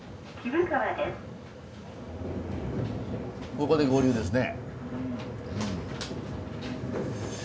ここで合流ですね。